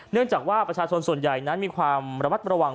เนื่องจากว่าประชาชนส่วนใหญ่นั้นมีความระมัดระวัง